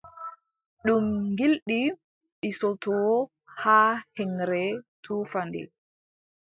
Ɗum gilɗi ɗisotoo haa heŋre, tufa nde.